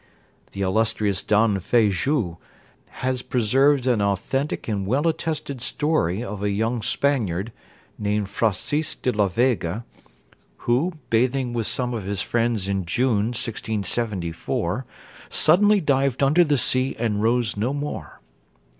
The illustrious Don Feijoo has preserved an authentic and well attested story of a young Spaniard, named Francis de la Vega, who, bathing with some of his friends in June, 1674, suddenly dived under the sea and rose no more.